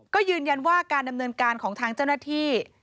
ก็ยืนยันว่าการดำเนินการของทางเจ้าหน้าที่